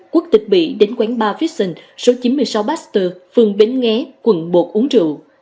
quốc tịch mỹ đến quán bar fiction số chín mươi sáu baxter phường bến nghé quận một uống rượu